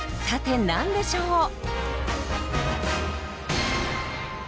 さて何でしょう？